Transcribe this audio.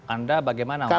anda bagaimana menurut anda